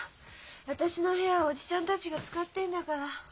私の部屋叔父ちゃんたちが使ってんだから。